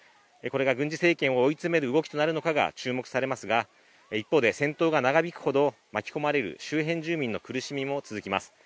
これが軍事政権を追い詰める動きになるのかが注目されますが一方で戦闘が長引くほど巻き込まれる周辺住民の苦しみも続きます。